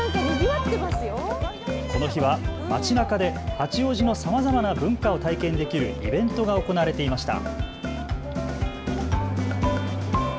この日は街なかで八王子のさまざまな文化を体験できるイベントが行われていました。